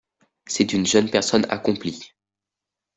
C'est une jeune personne accomplie.